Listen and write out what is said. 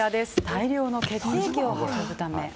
大量の血液を運ぶため。